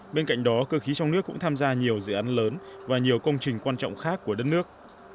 bên cạnh đó cơ khí trong nước cũng tham gia nhiều dự án lớn và nhiều công trình quan trọng khác của đất nước